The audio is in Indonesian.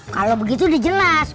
kalau begitu dijelas